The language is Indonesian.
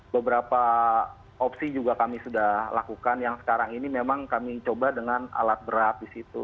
beberapa opsi juga kami sudah lakukan yang sekarang ini memang kami coba dengan alat berat di situ